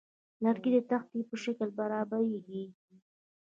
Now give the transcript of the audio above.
لرګی د تختې په شکل برابریږي.